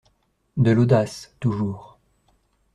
De l'audace, toujours